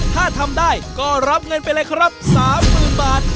ถ้าทำได้ก็รับเงินไปเลยครับ๓๐๐๐บาท